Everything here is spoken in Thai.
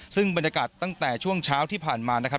ซึ่งบรรยากาศตั้งแต่ช่วงเช้าที่ผ่านมานะครับ